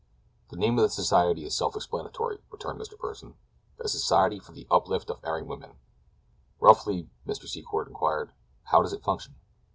"The name of the society is self explanatory," returned Mr. Pursen. "The Society for the Uplift of Erring Women." "Roughly," Mr. Secor inquired, "how does it function?"